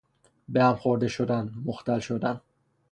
به هم خورده شدن، مختل شدن